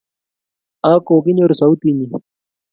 ak kokinyor sautit nyi